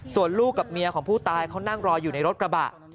ส่วนลูกกับเมียของผู้ตายเขานั่งรออยู่ในรถกระบะ